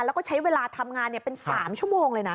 แล้วก็ใช้เวลาทำงานเป็น๓ชั่วโมงเลยนะ